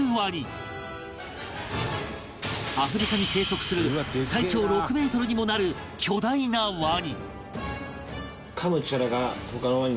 アフリカに生息する最長６メートルにもなる巨大なワニ